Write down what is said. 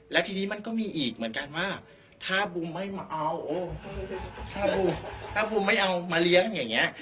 และทีนี้มันก็มีอีกเหมือนกันว่าถ้าบุ้มไม่มาเอามาเลี้ยงอย่างงี้